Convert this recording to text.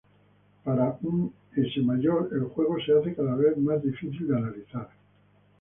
Para un "S" mayor el juego se hace cada vez más difícil de analizar.